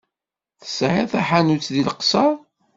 Tesɛiḍ taḥanut deg Leqṣeṛ?